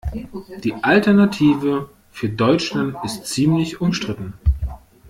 Die Alternative für Deutschland ist ziemlich umstritten.